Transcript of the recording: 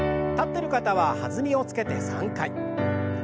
立ってる方は弾みをつけて３回。